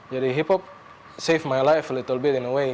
jadi hip hop selamatkan hidup saya sedikit